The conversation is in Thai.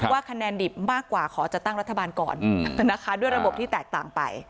คะแนนดิบมากกว่าขอจัดตั้งรัฐบาลก่อนนะคะด้วยระบบที่แตกต่างไป